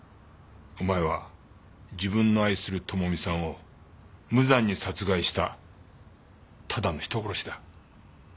お前は自分の愛する智美さんを無残に殺害したただの人殺しだ。